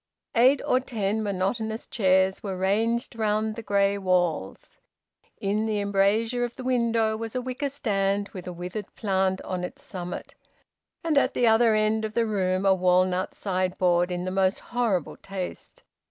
Eight or ten monotonous chairs were ranged round the grey walls. In the embrasure of the window was a wicker stand with a withered plant on its summit, and at the other end of the room a walnut sideboard in the most horrible taste.